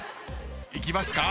いきますか？